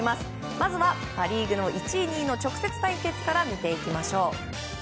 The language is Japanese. まずはパ・リーグの１位、２位の直接対決から見ていきましょう。